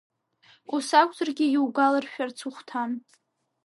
Ус акәзаргьы, иугәалауршәарц ухәҭан.